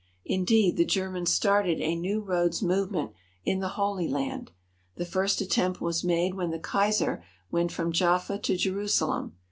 Indeed, the Germans started a new roads movement in the Holy Land. The first at tempt was made when the Kaiser went from Jaffa to Jerusalem.